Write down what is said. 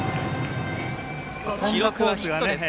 記録はヒットです。